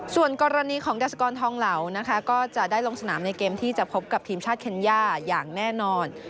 ส่วนกรณีของดาสกรทองเหล่านะคะก็จะได้ลงสนามในเกมที่จะพบกับทีมชาติเคนย่าอย่างแน่นอน